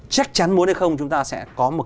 chắc chắn muốn hay không chúng ta sẽ có một